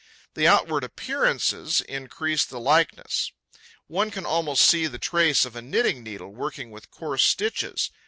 The outward appearances increase the likeness: one can almost see the traces of a knitting needle working with coarse stitches.